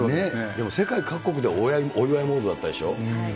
でも世界各国でお祝いムードだったでしょ？